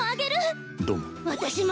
私も！